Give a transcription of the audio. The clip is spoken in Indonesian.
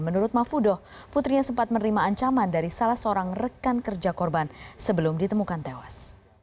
menurut mahfudoh putrinya sempat menerima ancaman dari salah seorang rekan kerja korban sebelum ditemukan tewas